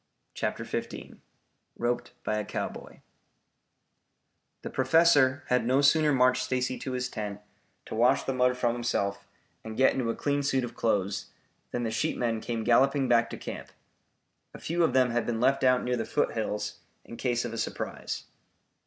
CHAPTER XV ROPED BY A COWBOY The Professor had no sooner marched Stacy to his tent to wash the mud from himself and get into a clean suit of clothes, than the sheepmen came galloping back to camp. A few of them had been left out near the foothills in case of a surprise.